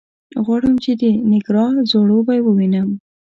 غواړم چې د نېګارا ځړوبی ووینم.